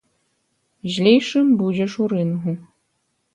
Злейшым будзеш у рынгу.